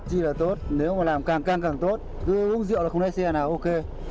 rất chi là tốt nếu mà làm càng càng càng tốt cứ uống rượu là không lấy xe nào ok